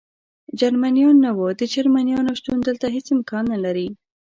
جرمنیان نه و، د جرمنیانو شتون دلته هېڅ امکان نه لري.